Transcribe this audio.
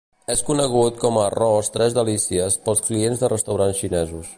És conegut com a arròs tres delícies pels clients de restaurants xinesos.